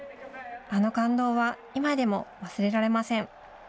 あの感動は今でも忘れられません。